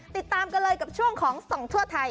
ติดตามกันเลยกับช่วงของส่องทั่วไทย